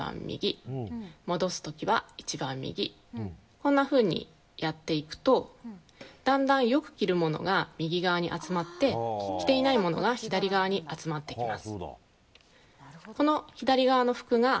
こんなふうにやっていくとだんだん、よく着るものが右側に集まって着ていないものが左側に集まってきます。